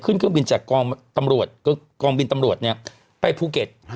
ขึ้นเครื่องบินจากกองบินตำรวจเนี่ยไปภูเก็ต